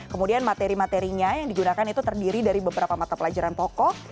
kemudian materi materinya yang digunakan itu terdiri dari beberapa mata pelajaran pokok